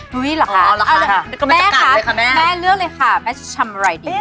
เหรอคะแม่คะแม่เลือกเลยค่ะแม่จะทำอะไรดี